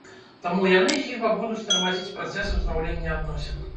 Таму яны, хіба, будуць тармазіць працэс узнаўлення адносін.